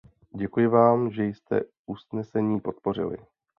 Děkuji vám, že jste usnesení podpořili.